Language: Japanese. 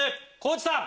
地さん！